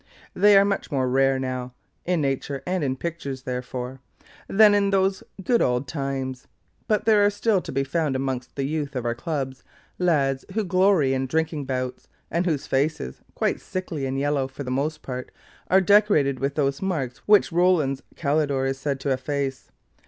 They are much more rare now (in nature, and in pictures, therefore,) than in those good old times; but there are still to be found amongst the youth of our Clubs lads who glory in drinking bouts, and whose faces, quite sickly and yellow, for the most part are decorated with those marks which Rowland's Kalydor is said to efface.